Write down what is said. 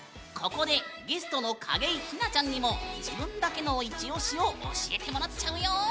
ここでゲストの景井ひなちゃんにもイチ推しを教えてもらっちゃうよ。